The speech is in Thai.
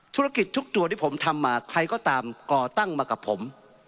ธุรกิจทุกตัวที่ผมทำมาใครก็ตามก่อตั้งมากับผม